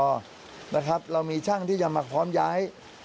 แร่งมาที่ออบจนะครับเรามีช่างที่จะมาพร้อมย้าย